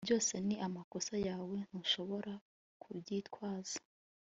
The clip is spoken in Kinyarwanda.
byose ni amakosa yawe ntushobora kubyitwaza